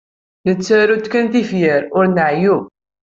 Nettaru-d kan tifyar ur nɛeyyu.